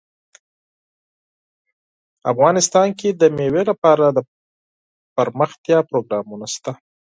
افغانستان کې د مېوې لپاره دپرمختیا پروګرامونه شته.